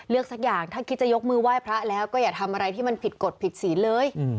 สักอย่างถ้าคิดจะยกมือไหว้พระแล้วก็อย่าทำอะไรที่มันผิดกฎผิดศีลเลย